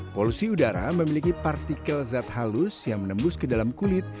polusi udara memiliki partikel zat halus yang menembus ke dalam kulit